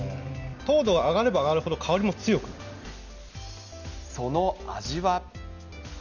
糖度が上がれば上がるほど香りもその味は。